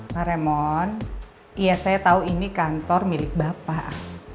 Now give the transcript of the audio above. pak raymond iya saya tahu ini kantor milik bapak